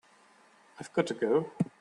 I've got to go.